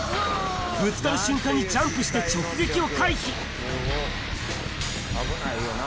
ぶつかる瞬間にジャンプして直撃を回避。